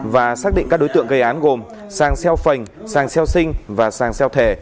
và xác định các đối tượng gây án gồm giàng xeo phành giàng xeo sinh và giàng xeo thể